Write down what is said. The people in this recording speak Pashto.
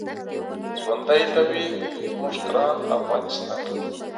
ژوندی دې وي زموږ ګران افغانستان.